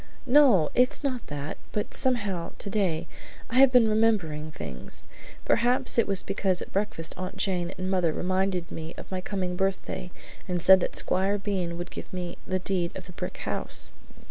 "No, it's not that; but somehow, today, I have been remembering things. Perhaps it was because at breakfast Aunt Jane and mother reminded me of my coming birthday and said that Squire Bean would give me the deed of the brick house.